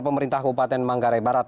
pemerintah kupaten manggare barat